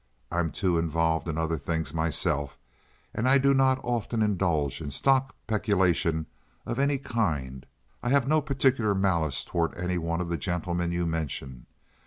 I'm too involved in other things myself, and I do not often indulge in stock peculations of any kind. I have no particular malice toward any one of the gentlemen you mention.